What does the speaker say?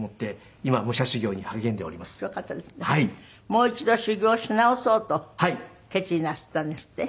もう一度修行し直そうと決意なすったんですって？